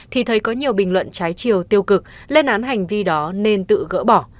thì thấy có nhiều bình luận trái chiều tiêu cực lên án hành vi đó nên tự gỡ bỏ